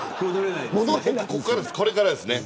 これからですね。